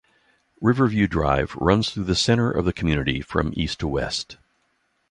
Riverview Drive runs through the center of the community from east to west.